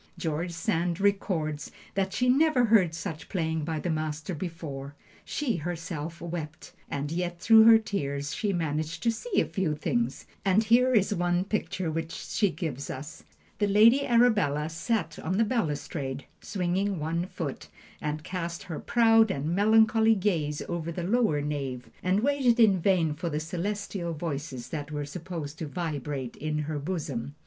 George Sand records that she never heard such playing by the Master before; she herself wept, and yet through her tears she managed to see a few things, and here is one picture which she gives us: "The Lady Arabella sat on the balustrade, swinging one foot, and cast her proud and melancholy gaze over the lower nave, and waited in vain for the celestial voices that were supposed to vibrate in her bosom.